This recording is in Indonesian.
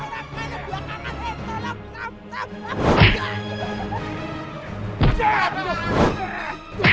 sambil merubah mata esto